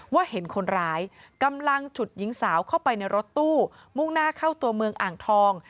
เห็นคนร้ายกำลังฉุดหญิงสาวเข้าไปในรถตู้มุ่งหน้าเข้าตัวเมืองอ่างทอง